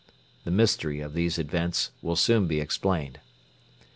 The mystery of these events will soon be explained.